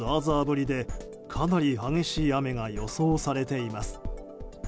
降りでかなり激しい雨が予想されています。